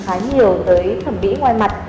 khá nhiều tới thẩm mỹ ngoài mặt